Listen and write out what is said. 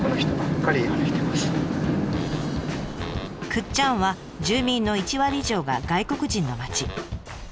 倶知安は住民の１割以上が外国人の町。